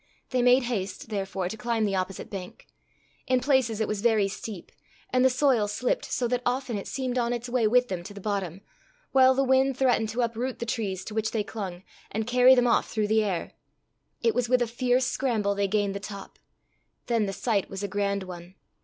They made haste, therefore, to climb the opposite bank. In places it was very steep, and the soil slipped so that often it seemed on its way with them to the bottom, while the wind threatened to uproot the trees to which they clung, and carry them off through the air. It was with a fierce scramble they gained the top. Then the sight was a grand one.